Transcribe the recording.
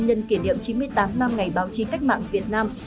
nhân kỷ niệm chín mươi tám năm ngày báo chí cách mạng việt nam